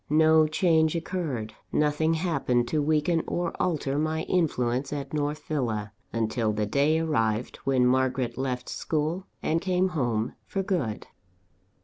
No change occurred, nothing happened to weaken or alter my influence at North Villa, until the day arrived when Margaret left school and came home for good.